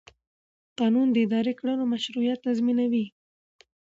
قانون د اداري کړنو مشروعیت تضمینوي.